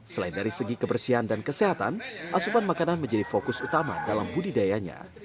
selain dari segi kebersihan dan kesehatan asupan makanan menjadi fokus utama dalam budidayanya